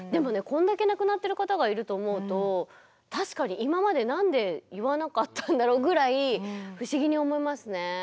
これだけ亡くなってる方がいると思うと確かに今まで何で言わなかったんだろうぐらい不思議に思いますね。